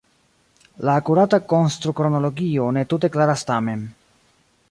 La akurata konstrukronologio ne tute klaras tamen.